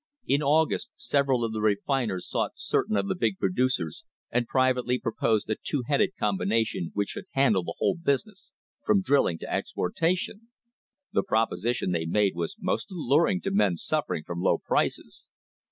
In August several of the refiners sought certain of the big producers and privately proposed a two headed combina tion which should handle the whole business, from drilling to "AN UNHOLY ALLIANCE'* exportation. The proposition they made was most alluring to men suffering from low prices.